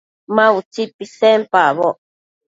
Ma utsi pisenpacboc